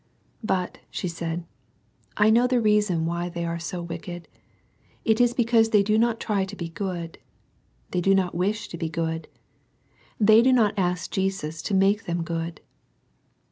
^' But," she said, " I know the reason why they are so wicked : it is because they do not try to be good, — ^they do not wish to be good, — they do not ask Jesus to make them good."